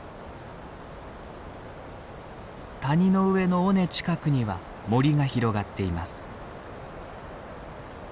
谷の上の尾根近くには森が広がっています。